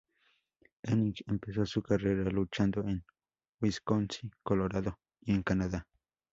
Hennig empezó su carrera luchando en Wisconsin, Colorado y en Canadá.